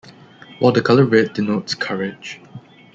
While the color red denotes courage.